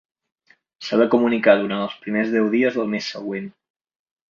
S'ha de comunicar durant els primers deu dies del mes següent.